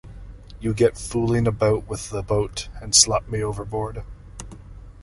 You get fooling about with the boat, and slop me overboard.